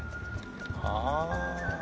ああ。